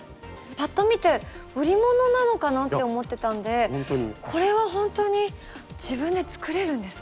パッと見て売り物なのかなって思ってたんでこれはほんとに自分で作れるんですか？